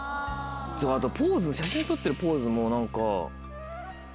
あとポーズ写真撮ってるポーズも何か。